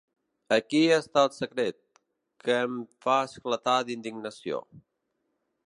Aquí està el secret, que em fa esclatar d'indignació.